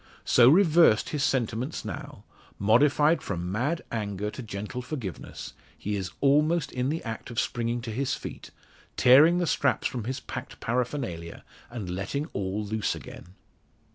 So reversed his sentiments now modified from mad anger to gentle forgiveness he is almost in the act of springing to his feet, tearing the straps from his packed paraphernalia, and letting all loose again!